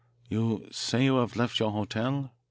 "You say you have left your hotel?"